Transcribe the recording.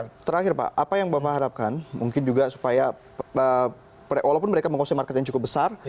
oke terakhir pak apa yang bapak harapkan mungkin juga supaya walaupun mereka menguasai market yang cukup besar